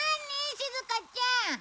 しずかちゃん。